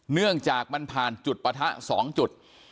เนื่องจากมันผ่านจุดปะทะ๒จุด